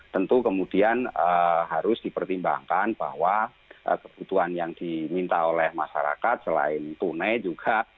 tentu kemudian harus dipertimbangkan bahwa kebutuhan yang diminta oleh masyarakat selain tunai juga